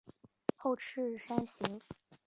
后翅扇形。